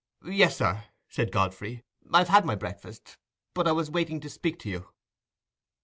"Yes, sir," said Godfrey, "I've had my breakfast, but I was waiting to speak to you." "Ah!